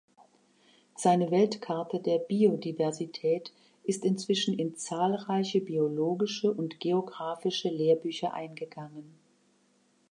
Seine Weltkarte der Biodiversität ist inzwischen in zahlreiche biologische und geographische Lehrbücher eingegangen.